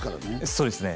そうですね